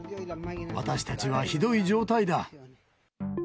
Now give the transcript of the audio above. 私たちはひどい状態だ。